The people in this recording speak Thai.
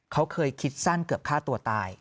เขาเคยคิดสั้นเกือบฆ่าตัวตาย